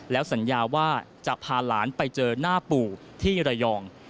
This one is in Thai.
แล้วสัญญาว่าจะพาหลานไปเจอหน้าปู่ที่ระยอง